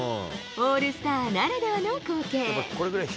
オールスターならではの光景。